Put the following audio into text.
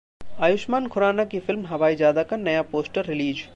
आयुष्मान खुराना की फिल्म 'हवाईजादा' का नया पोस्टर रिलीज